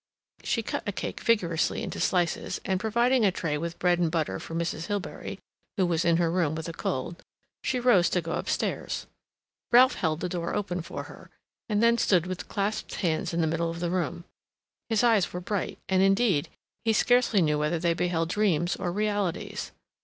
She cut a cake vigorously into slices, and providing a tray with bread and butter for Mrs. Hilbery, who was in her room with a cold, she rose to go upstairs. Ralph held the door open for her, and then stood with clasped hands in the middle of the room. His eyes were bright, and, indeed, he scarcely knew whether they beheld dreams or realities.